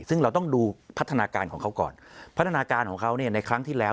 ซึ่งเราต้องดูพัฒนาการของเขาก่อนพัฒนาการของเขาเนี่ยในครั้งที่แล้ว